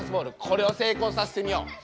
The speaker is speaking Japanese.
これを成功させてみよう。